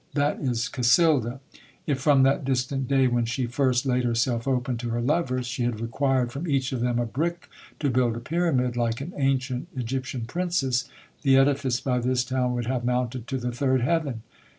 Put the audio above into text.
That is Casilda. If from that distant day when she first laid herself open to her lovers, she had required from each of them a brick to build a pyramid, like an ancient Egyptian princess, the edifice by this time would have mounted to the third heaven.